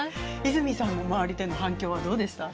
泉さんの周りでの反響はどうでした？